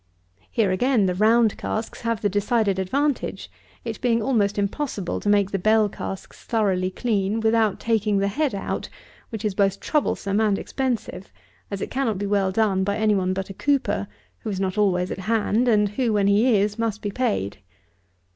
Here again the round casks have the decided advantage; it being almost impossible to make the bell casks thoroughly clean, without taking the head out, which is both troublesome and expensive; as it cannot be well done by any one but a cooper, who is not always at hand, and who, when he is, must be paid.